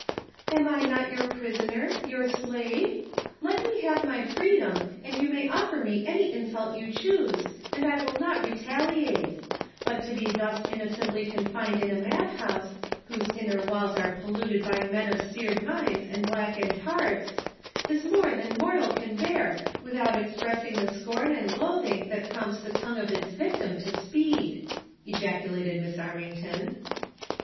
"Am I not your prisoner ; your slave ? Let me have my freedom, and you may offer me any insult you choose, and I will not retaliate ; but to be thus innocently confined in a mad house, whose inner walls are polluted by men of seared minds and blackened hearts, is more than mortal can bear without expressing the scorn and loathing that prompts the tongue of its victim to speed," ejaculated Miss Armington.